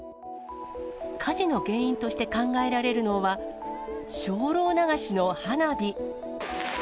火事の原因として考えられるのは、精霊流しの花火。